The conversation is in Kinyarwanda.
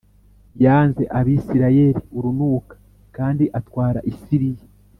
yanze Abisirayeli urunuka kandi atwara i Siriya